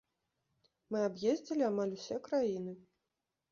Мы аб'ездзілі амаль усе краіны.